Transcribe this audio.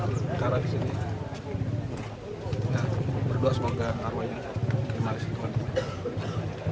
berdoa semoga arwahnya kemarin